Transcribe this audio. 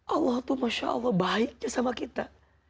allah tuh masya allah baiknya sama kita